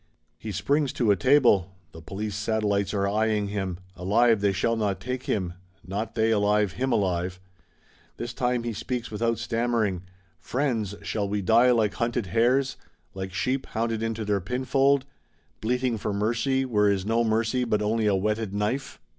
He springs to a table: the Police satellites are eyeing him; alive they shall not take him, not they alive him alive. This time he speaks without stammering:—Friends, shall we die like hunted hares? Like sheep hounded into their pinfold; bleating for mercy, where is no mercy, but only a whetted knife?